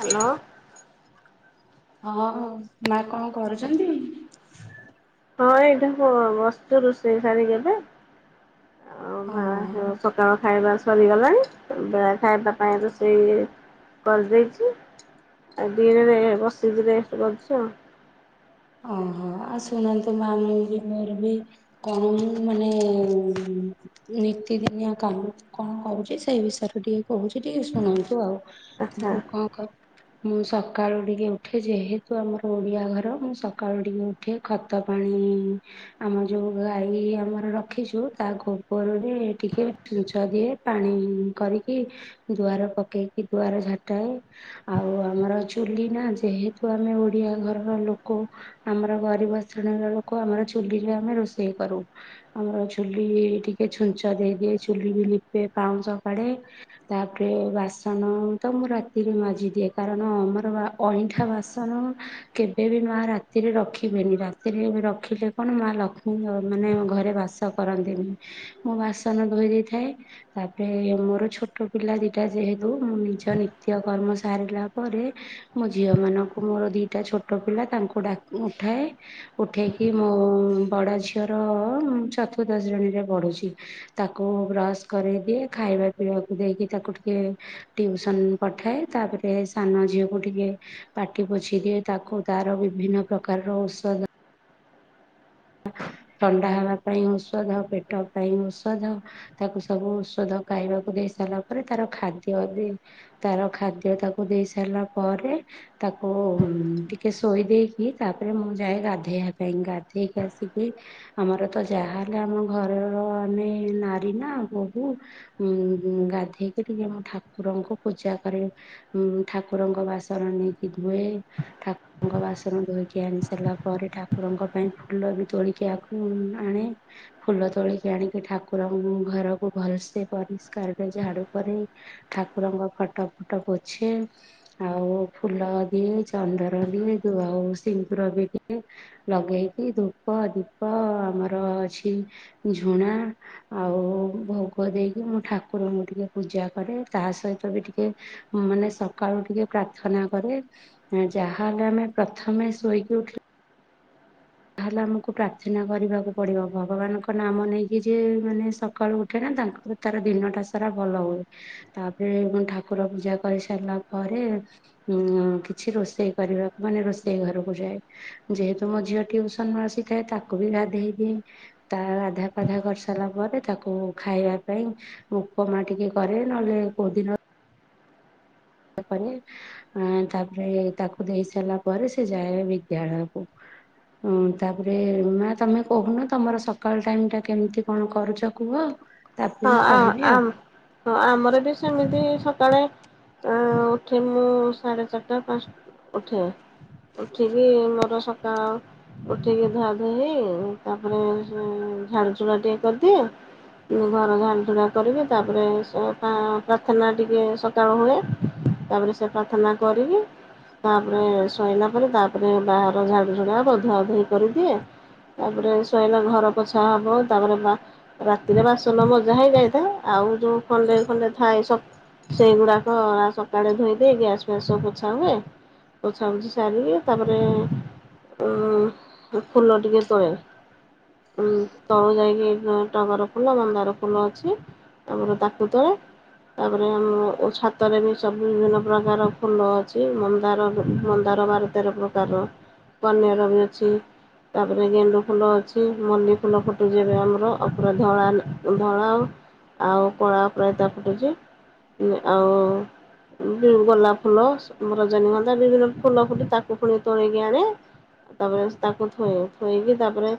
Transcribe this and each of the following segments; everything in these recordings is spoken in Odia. ହ୍ୟାଲୋ। ହଁ ମା କଣ କରୁଛନ୍ତି? ହଁ ଏଇଟା ବସ୍ତ ରୋଷେଇ ସାରିକି ଏବେ ଅ ହଁ ଭ ସକାଳ ଖାଇବା ସରିଗଲାଣି, ବେଳେ ଖାଇବା ପାଇଁ ରୋଷେଇ କରିଦେଇଛି ଆ ଦିନରେ ବସି କି ରେଷ୍ଟ୍ କରୁଚି ଆଉ। ଓହୋ ଆଉ ଶୁଣନ୍ତୁ ମାମ ବି ମୋର ବି କଣ ମାନେ ନିତିଦିନିଆ କାମ କଣ କହୁଛି, ସେଇ ବିଷୟରେ ଟିକେ କହୁଛି, ଟିକେ ଶୁଣନ୍ତୁ ଆଉ। ଆଚ୍ଛା ମୁଁ କଣ କର ମୁଁ ସକାଳୁ ଟିକେ ଉଠେ ଯେହେତୁ ଆମର ଓଡିଆ ଘର ମୁଁ ସକାଳୁ ଟିକେ ଉଠେ ଖତ ପାଣି ଆମ ଯେଉ ଗାଈ ଆମର ରଖିଛୁ, ତାକୁ ଗୋବରରେ ଟିକେ ଛୁଛ ଦିଏ, ପାଣି କରିକି, ଦୁଆର ପକେଇକି ଦୁଆ ଉପାର ଝାଟାଏ, ଆଉ ଆମର ଚୁଲି ନା ଯେହେତୁ ଆମେ ଓଡିଆ ଘରର ଲୋ କ, ଆମର ଗରିବ ଶ୍ରେଣୀର ଲୋକ, ଆମର ଚୁଲିରେ ଆମେ ରୋଷେଇ କରୁ, ଆମର ଚୁଲି ଟିକେ ଛୁଞ୍ଚ ଦେଇଦିଏ, ଚୁଲି ବି ଲିପେ ପାଉଁ ସକାଡେ ତାପରେ ବାସନ ତ ମୁଁ ରାତିରେ ମାଜିଦିଏ, କାରଣ ଆମର ଅଇଁଠା ବାସନ କେବେ ବି ମା ରାତିରେ ରଖିବେନି, ରାତିରେ ରଖିଲେ କଣ ମା ଲକ୍ଷ୍ମୀ ମାନେ ଘରେ ବାସ କରନ୍ତି । ମୁଁ ବାସନ ଧୋଇ ଦେଇଥାଏ, ତାପରେ ମୋର ଛୋଟ ପିଲା ଦିଟା ଯେହେତୁ ନିଜ ନିତ୍ୟ କର୍ମ ସାରିଲା ପରେ, ମୋ ଝିଅ ମାନଙ୍କୁ ମୋର ଦିଟା ଛୋଟ ପିଲା ତାଙ୍କୁ ଡା ଉଠାଏ, ଉଠାଇକି ମୋ ବଡ଼ ଝିଅର ଚତୁର୍ଥ ରେ, ପଢୁଛି, ତାକୁ ବ୍ରସ କରେଇଦିଅ, ଖାଇବା ପିଇବାକୁ ଦେଇକି ତାକୁ ଟିକେ ଟିଉସନ ପଠାଏ, ତାପରେ ସାନ ଝିଅକୁ ଟିକେ ପାଟି ପୋଛି ଦିଏ, ତାକୁ ତାର ବିଭିନ୍ନ ପ୍ରକାରର ଔଷଧ ଥଣ୍ଡା ହେବା ପାଇଁ ଔଷଧ, ପେଟ ପାଇଁ ଔଷଧ, ତାକୁ ସବୁ ଔଷଧ ଖାଇବାକୁ ଦେଇ ସାରିଲା ପରେ, ତାର ଖାଦ୍ୟ ଦେଇ ତାର ଖାଦ୍ୟ ତାକୁ ଦେଇ ସାରିଲା ପରେ ତାକୁ ଟିକେ ଶୋଇ ଦେଇକି, ତାପରେ ମୁଁ ଯାଏ ଗାଧେଇବା ପାଇଁ, ଗାଧେଇକି ଆସିକି, ଆମର ତ ଯାହାହଲେ ଆମ ଘରର ଆମେ ନାରୀ ନା ବୋହୂ । ଉ ଗାଧେଇକି ଟିକେ ଆମ ଠାକୁରଙ୍କୁ ପୂଜା କରେ, ଉ ଠାକୁରଙ୍କ ବାସ ସନ ନେଇକି ଧୁଏ, ଠାକୁରଙ୍କ ବାସନ ଧୋଇକି ଆଣି ସାରିଲା ପରେ, ଠାକୁରଙ୍କ ପାଇଁ ଫୁଲ ବି ତୋଳିକି ଆଣେ, ଫୁଲ ତୋଳିକି ଆଣିକି ଠାକୁରଙ୍କୁ ଘରକୁ ଭଲ ସେ ପରିଷ୍କାର ରେ ଝାଡୁ କରେ, ଠାକୁରଙ୍କ ଫଟୋ ଫୁଟ ପୋଛେ, ଆଉ ଫୁଲ ଦିଏ, ଚନ୍ଦନ ଦିଏ ଆଉ ସିନ୍ଦୁର ବି ଦିଏ ଲଗେଇ ଧୂପ, ଦୀପ ଆମର ଅଛି ଝୁଣା ଆଉ ବ ଭୋଗ ଦେଇକି ମୁଁ ଠାକୁରଙ୍କୁ ଟିକେ ପୂଜା କରେ ତା ସହିତ ବି ଟିକେ ମାନେ ସକାଳୁ ଟିକେ‌‍‍ ପ୍ରାର୍ଥନା କରେ, ଯାହାହଲେ ଆମେ ପ୍ରଥମେ ଶୋଇକି ଉଠିଲ ତାହେଲେ ଆମକୁ ପ୍ରାର୍ଥନା କରିବାକୁ ପଡିବ ଭଗବାନଙ୍କ ନାମ ନେଇକି ଯ ମାନେ ସକାଳୁ ଉଠେ ନା। ତାଙ୍କର ତାର ଦିନ ଟା ସାରା ଭଲ ହୁଏ, ତାପରେ ଠାକୁର ପୂଜା କରି ସାରିଲା ପରେ କିଛି ରୋଷେଇ କରିବାକୁ, ମାନେ ରୋଷେଇ ଘରକୁ ଯାଏ, ଯେହେତୁ ମୋ ଝିଅ ଟ୍ୟୁସନରୁ ଆସିଥାଏ, ତାକୁ ବି ଗାଧେଇ ଦିଏ, ତା ଗାଧା ପାଧା କରିସାରିଲା ପରେ ତାକୁ ଖାଇବା ପାଇଁ ଉପମା ଟିକେ କରେ, ନହେଲେ କୋଉ ଦିନ ତାପରେ, ତାପରେ ତାକୁ ଦେଇ ସାରିଲା ପରେ ସେ ଯାଏ ବିଦ୍ୟାଳୟକୁ ହଁ ତାପରେ, ମା ତମେ କହୁନ ତମର ସକାଳ ଟାଇମ ଟା କେମିତି କଣ କରୁଛ କୁହ? ତାପରେ ହଁ, ମୁଁ କହିବି ଆ ଆଉ। ହଁ ଆମର ବି ସେମିତି ସକାଳେ ଉଠେ, ମୁଁ ସାଢେ ଚାରିଟା ପାଞ୍ଚ ଉଠେ। ଉଠିକି ମୋର ସକାଳ ଆ ଉଠିକି ଧୁଆ ଧୋଇ ତାପରେ ଝାଡୁ ଝୁଡା ଟିକେ କରିଦିଏ। ଘର ଝାଡ଼ଝୁଡ଼ା କରିବି, ତାପରେ ପ୍ରାର୍ଥନା ଟିକିଏ ସକାଳୁ ହୁଏ। ତାପରେ ସେ ପ୍ରାର୍ଥନା କରିକି ତାପରେ, ଶୋଇଲା ପରେ ତାପରେ ବାହାର ଝାଡୁ ଝାଡ ଆ ଅଧୁଆ ଅଧଇ କରିଦିଏ ତାପରେ ଶୋଇଲା ଘର ପୋଛା ହବ ତାପରେ ରା ରାତିରେ ବାସନ ମଜା ହେଇଯାଇଥାଏ, ଆଉ ଯଉ ଖଣ୍ଡେ ଖଣ୍ଡେ ଥାଏ, ସବ ସେଇଗୁଡାକ ସକାଳେ ଧୋଇଦିଏ, ଗ୍ୟାସ ଫ୍ୟାସ ସବୁ ପୋଛାହୁଏ। ପୋଛାପୋଛି ସାରିକି ତାପରେ ଉ ଫୁଲ ଟିକେ ତୋଳେ। ହୁଁ ତଳ ଯାଇକି ଟଗର ଫୁଲ, ମନ୍ଦାର ଫୁଲ ଅଛି ଆମର ତାକୁ ତୋଳେ। ତାପରେ, ଆମ ଛାତରେ ବି ସବୁ ବିଭିନ୍ନ ପ୍ରକାର ଫୁଲ ଅଛି, ମନ୍ଦାର ଦର [unintelligible] ବାର ତେର ପ୍ରକାରର କନିଅର ବି ଅଛି ତାପରେ ଗେଣ୍ଡୁ ଫୁଲ ଅଛି, ମଲ୍ଲି ଫୁଲ ଫୁଟଯିବେ ଆମର ଅପରାଧ ଧଳା, ଧଳା ଆ ଆଉ କଳା ପ୍ରାୟତା ଫୁଟୁଛି। ଆଉ ଗୋଲା ଫୁଲ ରଜନୀଗନ୍ଧା ବିଭିନ୍ନ ଫୁଲ ଫୁଟେ ତାକୁ ପୁଣି ତୋଳକି ଆଣେ। ତାପରେ, ତାକୁ ଥୋଇ ଥୋଇକି ତାପରେ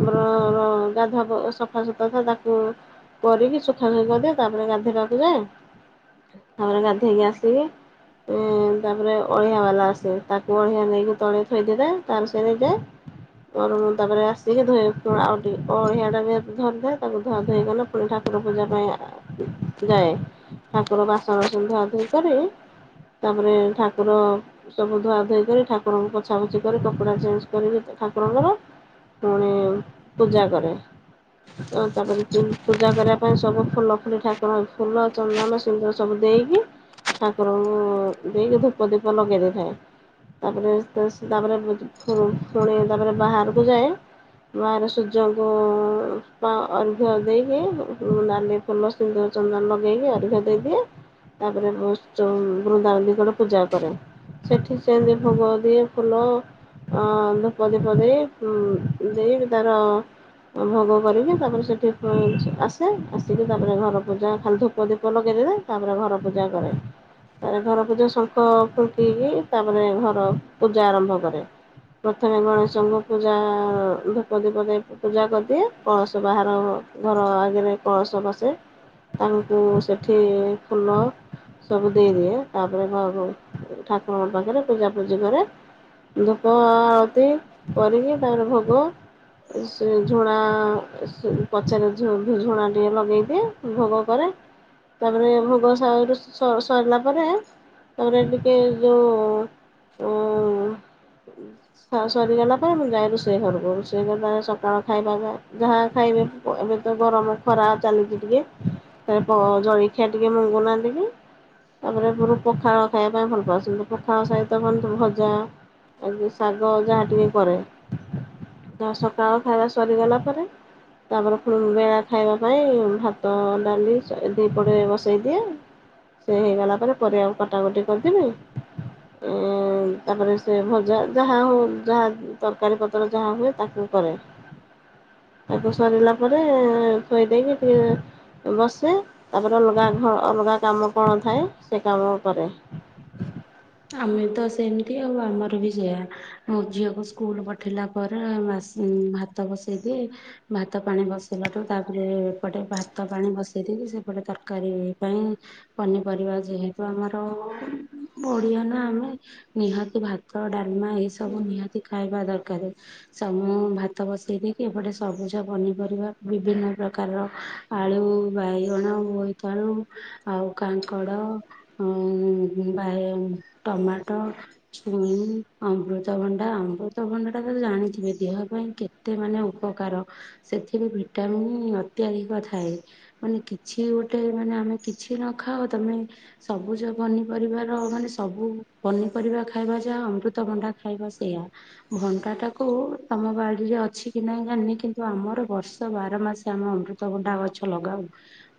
ଆମର ଗାଧୁ ଆ ସଫାସତାଥା ତାକୁ କରିକି ସୁଖା ଶୁଖ କରିଦିଏ, ତାପରେ ଗାଧେଇବାକୁ ଯାଏ। ତାପରେ ଗାଧେଇକି ଆସିକି, ତାପରେ ଅଳିଆ ବାଲା ଆସେ । ତାକୁ ଅଢିଆ ନେଇକି ତଳେ ଥୋଇ ଦେବେ ତାଙ୍କର ସେଣେ ଯାଏ ମୋର ମୁଁ ତାପରେ ଆସିକି ଧୋଇ ହେଇ ପୁଣୀ ଆଉ ଟିକେ କଣ ହିଆଡେ । ଧରିଥାଏ ତାକୁ ଧୁଆ ଧୋଇ କଲେ ପୁଣି ଠାକୁର ପୂଜା ପାଇଁ ଆ ଯାଏ । ଠାକୁର ବାସନ ସବୁ ଧୁଆଁ ଧୁଇ କରି। ତାପରେ ଠାକୁର ସବୁ ଧୁଆ ଧୁଇ କରି ଠାକୁରଙ୍କୁ ପୋଛା ପୋଛି କରି କପଡା ଚେଞ୍ଜ କରି ଠାକୁରଙ୍କର ପୁଣି ପୂଜା କରେ ତାପରେ ପୂଜା କରିବା ପାଇଁ ସବୁ ଫୁଲ ଫୁଲି ଠାକୁର ଫୁଲ ଚନ୍ଦନ ସିନ୍ଦୁର ସବୁ ଦେଇକି ଠାକୁରଙ୍କୁ ଦେଇକି ଧୂପ ଧୀପ ଲଗେଇ ଦେଇଥାଏ। ତାପରେ ତ-ସେ ତାପରେ ଫୁ - ଫୁଣି ତାପରେ ବାହାରକୁ ଯାଏ । ବାଆରେ ସୂର୍ଯ୍ୟଙ୍କୁ ପା ଅର୍ଘ ଦେଇକି ନାଲି ଫୁଲ ସିନ୍ଦୁର ଚନ୍ଦନ ଲଗେଇକି ଅର୍ଘ ଦେଇଦିଏ। ତାପରେ ବ୍ରୁ ଚଉ ବୃନ୍ଦାବତି ଙ୍କୁ ଆଡେ ପୂଜା କରେ‌। ସେଠି ସେନ୍ତି ଭୋଗ ଦିଏ ଫୁଲ । ଆଁ ଧୂପ ଧୀପ ଦେଇ ହୁଁ ଦେଇକି ତାର ଭୋଗ କରିକି ତାପରେ ସେଠି ପ ଆସେ ଆସିକି ତାପରେ ଘର ପୂଜା ଖାଲି ଧୂପ ଦିପ ଲଗେଇ ଦେବୀ ତାପରେ। ଘର ପୂଜା କରେ। ତାରେ ଘର ପୂଜା ଶଙ୍ଖ ଫୁଙ୍କିକି ତାପରେ ଘର ପୂଜା ଆରମ୍ଭ କରେ। ପ୍ରଥମେ ଗଣେଶଙ୍କୁ ପୂଜା ଧୂପ ଦିପ ଦେଇକି ପୂଜା କରିଦିଏ। କଳସ ବାହାର ଘର ଆଗରେ କଳସ ବସେ । ତାଙ୍କୁ ସେଠି ଫୁଲ । ସବୁ ଦେଇଦିଏ ତାପରେ ଘରୁ ଠାକୁରଙ୍କ ପାଖରେ ପୂଜାପୂଜି କରେ । ଧୂପ ଆଳତି କରିକି ତାପରେ ଭୋଗ ଏ ସେ ଝୁଣା । ହଁ - ଏ - ସେ ପଛରେ ଝୂ- ଝୁଣା ଟିକେ ଲଗେଇ ଦିଏ ଭୋଗ କରେ । ତାପରେ ଭୋଗ ସାରୁ ସଇଲା ପରେ । ତାପରେ ଟିକ ଯୋଉ ଉଁ । ସରିଗଲା ପରେ ମୁଁ ଯାଏ ରୋଷେଇ ଘରକୁ ରୋଷେଇ କରେ ତାପରେ ସକାଳ ଖାଇବା ଯା । ଯାହା ଖାଇବେ ଏବେ ତ ଗରମ ଖରା ଚାଲିଛି ଟିକେ । ତାଏ ପ ଜଳିଖିଆ ଟିକେ ମଙ୍ଗୁନାହନ୍ତି କେହି । ତାପରେ ପୁର ପଖାଳ ଖାଇବା ପାଇଁ ଭଲ ପାଉଛନ୍ତିୁ ପଖାଳ ସହିତ କଣ ତ ଭଜା । ଆଜି ଶାଗ ଯାହା ଟିକେ କରେ ତା ସକାଳ ଖାଇବା ସରିଗଲା । ପରେ । ତାପରେ ପୁଣି ବେଳା ଖାଇବା ପାଇଁ ଭାତ ଡାଲି ଦିପଟେ ବସେଇ ଦିଏ । ସେ ହେଇଗଲା ପରେ ପରିବା କୁ କଟାକଟି କରିଦେବି । ଇଁ ତାପରେ ସେ ଭଜା ଯାହା ହଉ ଯାହା ତରକାରୀ ପତ୍ର ଯାହା ହୁଏ ତାକୁ କରେ । ହ ତାକୁ ସରିଲା ପରେ ଥୋଇ ଦେଇକି ଟିକେ । ବସେ ତାପରେ ଅଲଗା ଘ ଅଲଗା କାମ କଣ ଥାଏ ସେ କାମ କରେ । ହ ଆମେ ତ ସେମିତି ଆଉ ଆମର ବି ସେୟା ମୋ ଝିଅକୁ ସ୍କୁଲ ପଠେଇିଲା ପରେ । ଭାତ ବସେଇଦିଏ ଭାତ ପାଣି ବସେଇଲାଠୁ ତାପରେ ଏପଟେ ଭାତ ପାଣି ବସେଇ ସେପଟେ ତରକାରୀ ପାଇଁ ପନିପରିବା ଯେହେତୁ ଆମର । ବଢିଆ ନା ଆମେ ନିହାତି ଭାତ ଡାଲମା ଏଇ ସବୁ ନିହାତି ଖାଇବା ଦରକାର। କାର ସମୁ ଭାତ ବସେଇ ଦେଇକି ଏପଟେ ସବୁଜ ପନିପରିବା ବିଭିନ୍ନ ପ୍ରକାରର । ଆଳୁ ବାଇଗଣ ବୋଇତାଳୁ ଆଉ କାଙ୍କଡ ଏଁ ବାଏ ଟମାଟୋ ଛୁଇଁ ଅମୃତଭଣ୍ଡା ଅମୃତଭଣ୍ଡା ଟା । ଜାଣିଥିବେ ଦେହ ପାଇଁ କେତେ ମାନେ ଉପକାର ସେଥିରେ ଭିଟାମନ୍ ଅତ୍ୟଧିକ ଥାଏ । ମାନେ କିଛି ଗୋଟେ ମାନେ ଆମେ କିଛି ନ ଖାଅ ତମେ ସବୁଜ ପନି ପରିବାର ମାନେ ସବୁ ପନିପରିବା ଖାଇବା ଯାହା ଅମୃତଭଣ୍ଡା ଖାଇବା ସେଇୟା ଭଣ୍ଡା । ଟାକୁ ତମ ବାଡିରେ ଅଛି କି ନାଇ ଜାଣିନି କିନ୍ତୁ ଆମର ବର୍ଷ ବାର ମାସେ ଆମେ ଅମୃତଭଣ୍ଡା । ଗଛ ଲଗାଉ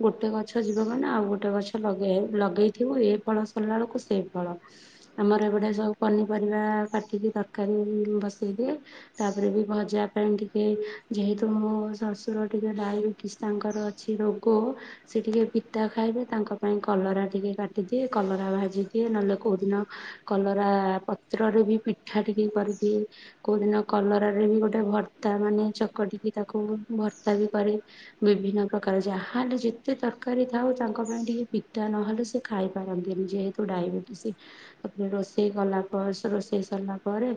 ଗୋଟେ ଗଛ ଯିବ ମାନେ ଆଉ ଗୋଟେ ଗଛ ଲଗେଇ ଲଗେଇଥିବୁ ଏ ଫଳ ସରିଲା ବେଳକୁ ସେଇ ଫଳ ଆମର ଏପଟେ ସବୁ ପନିପରିବା କାଟିକି ତରକାରି । ବସେଇ ଦେଇ ତାପରେ ବି ଭଜା ପାଇଁ ଟିକେ ଯେହେତୁ ମୋ ଶଶୁର ଟିକେ ଡାଲି ତାଙ୍କର ଅଛି ରୋଗ ସେ ଟିକେ ପିତା ଖାଇବେ। ତାଙ୍କ ପାଇଁ କଲରା ଟିକେ କାଟିଦି ଏ କଲରା ଭାଜି ଦିଏ। ନହେଲେ କୋଉ ଦିନ କଲରା ପତ୍ରରେ ବି ପିଠା ଟିକେ କରିଦିଏ। ଉଁ କୋଉ ଦିନ କଲରରେ ବି ଗୋଟେ ଭର୍ତ୍ତା ମାନେ ଚକଟିକି ତାକୁ ଭର୍ତ୍ତା ବି କରେ। ବିଭିନ୍ନ ପ୍ରକାର ଯାହା ହେଲେ ଯେତେ ତରକାରୀ ଥାଉ। ତାଙ୍କ ପାଇଁ ଟିକେ ପିତା ନହଲେ ସେ ଖାଇ କରନ୍ତିନି ଯେହେତୁ ଡାଇବେଟିସ ରୋଷେଇ କଲା ପରେ। ସେ ରୋଷେଇ ସାରିଲା ପରେ।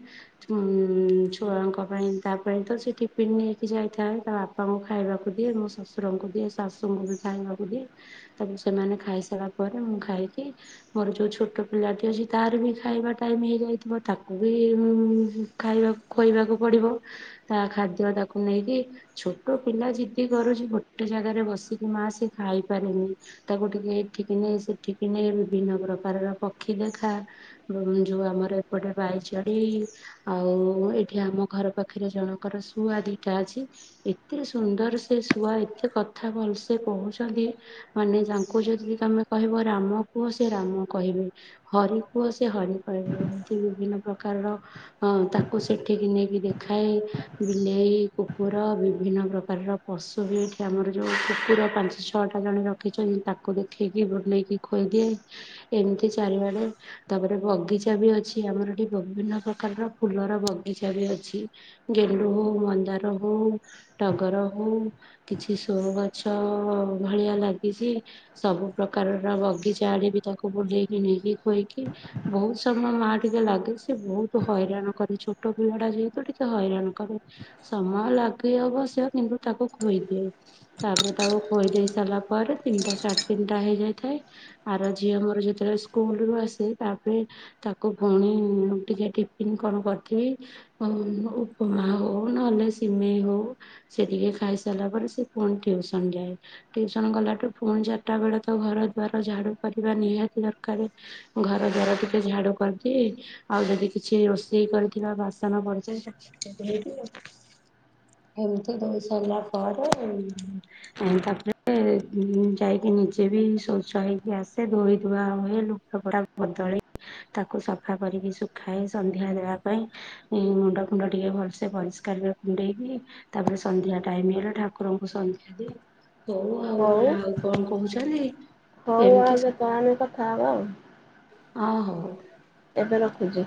ଉଁ ଛୁଆଙ୍କ ପାଇଁ ତା ପାଇଁ ତ ସେ ଟିଫିିନ ନେଇକି ଯାଇଥାଏ। ତା ବାପାଙ୍କୁ ଖାଇବାକୁ ଦିଏ ମୁଁ ଶଶୁରଙ୍କୁ ଦିଏ ଶାଶୁଙ୍କୁ ବି ଖାଇବାକୁ ଦିଏ। ତାପେର ସେମାନେ ଖାଇସାରିବା ପରେ ମୁଁ ଖାଇ ଇ ମୋର ଯୋଉ ଛୋଟ ପିଲାଟି ଅଛି ତାର ବି ଖାଇବା ଟାଇମ ହେଇଯାଇଥିବ। ତାକୁ ବି ଉଁ ଖାଇବା ଖୋଇବାକୁ ପଡିବ। ତା ଖାଦ୍ୟ ତାକୁ ନେଇକି ଛୋଟ ପିଲା ଯିଦି କରୁଚି। ଗୋଟେ ଜାଗାରେ ବସିକି ମା ସିଏ ଖାଇପାରେନି। ତାକୁ ଟିକେ ଏଠିକ ନେ ସେଠି କି ନେଇ ବିଭିନ୍ନ ପ୍ରକାରର ପକ୍ଷୀ ଦେଖା। ନହେନେ ଯୋଉ ଆମର ଏପଟେ ବାଇଚଢେଇ। ଆଉ ଏଠି ଆମ ଘର ପାଖରେ ଜଣଙ୍କର ସୁଆଧିକା ଅଛି। ଏତେ ସୁନ୍ଦର ସେ ଶୁଆ ଏତେ କଥା ଭଲ ସେ କହୁଚନ୍ତି। ମାନେ ତାଙ୍କୁ ଯଦି ତମେ କହିବ। ରାମ କୁହ ସେ ରାମ କହିବେ ହରି କୁହ ସେ ହରି କହିବେ। ଏମତି ବିଭିନ୍ନ ପ୍ରକାରର ତାକୁ ସେଠିକି ନେଇକି ଦେଖାଏ। ବିଲେଇ କୁକୁର ବିଭି ବିଭିନ୍ନ ପ୍ରକାରର ପଶୁ ବି ଏଠି ଆମର ଯୋଉ କୁକୁର ପାଞ୍ଚ ଛଅଟା ଜଣେ ରଖିଛନ୍ତି। ତାକୁ ଦେଖେଇକି ବୁଲେଇକି ଖୋଇଦିଏ ଏମିତି ଚାରିଆଡେ ତାପରେ ବଗିଚା ବି ଅଛି। ଆମର ଏଠି ବିଭିନ୍ନ ପ୍ରକ ର ଫୁଲର ବଗିଚା ବି ଅଛି। ଗେଲୁ ହଉ ମନ୍ଦାର ହଉ ଟଗର ହଉ। ଉ କିଛି ସୋ ଗଛ ଭଳିଆ ଲାଗିଚି। ସବୁ ପ୍ରକାରର ଗ ବଗିଚା ଆଡେ ବି ତାକୁ ବୁଲେଇକି ନେଇକି ଖୁଏଇକି ବହୁତ ସମୟ ମା ଟିକେ ଲାଗୁଚି। ବହୁତ ହ ହଇରାଣ କରି ଛୋଟ ପିଲଟା ଯେହେତୁ ଟିକେ ହଇରାଣ କରେ। ସମୟ ଲାଗେ ଅବଶ୍ୟ। କିନ୍ତୁ ତାକୁ ତାକୁ ଖୋଇଦିଏ। ତାପରେ ତାକୁ ଖୋଇ ଦେଇ ସାରିଲା ପରେ ତିନିଟା ସାଢେ ତିନିଟା ହେଇଯାଇଥାଏ। ଆର ଝିଅ ମୋର ଯେତେବେଳେ ସ୍କୁଲ ରୁ ଆସେ। ତା ପାଇଁ ତାକୁ ଫୁଣୀ ଟିକେ ଟିଫନ କଣ କରିଥିମି ଉପମା ହଉ ନହେଲେ ସିମେଇ ହଉ ସେ ଟିକେ ଖାଇ ସାରିଲା ପରେ ସେ ପୁଣି ଟିଉସନ ଯାଏ। ଟିଉସନ ଗଲାଠୁ ପୁଣି ଚାରିଟା ବେଳେ ତ ଘର ଦୁଆର ଝାଡୁ। କରିବା ନିହାତି ଦରକାର। ଘର ଦ୍ଵାର ଟିକେ ଝାଡୁ କରିଦିଏ। ଆଉ ଯଦି କିଛି ରୋଷେଇ ଷେଇ କରିଥିବା ବାସନ ପଡିଚି କେମିତି ହେଇକି? ଏମିତି ଧୋଇ ସାରିଲା ପରେ ତାପରେ ଯାଇକି ନିଜେ ବି ଶୌଚ ହେଇକି ଆସେ ଧୋଇ ଧୁଆ ହୁଏ ଲୁଗା ଗୁଡା ବଦଳେ। ତାକୁ ସଫା କରିକି ଶୁଖାଏ। ସନ୍ଧ୍ୟା ଦେବା ପାଇଁ ମୁଣ୍ଡ ଫୁଣ୍ଡ ଟିକେ ଭଲସେ ଭଲ କାନ କୁଣ୍ଡେଇ କି ତାପରେ ସନ୍ଧ୍ୟା ଟାଇମ ହେଲା ଠାକୁରଙ୍କୁ ସନ୍ଧ୍ୟା ଦିଏ। ହଉ ଆଉ ହଉ ଆଉ କଣ କହୁଛନ୍ତି। ହଉ ଆଉ କେତଳେ ଆମେ କଥା ହବା ଆଉ। ଓ ହୋଉ। ଏବେ ରଖୁଛି।